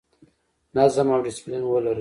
نظم او ډیسپلین ولرئ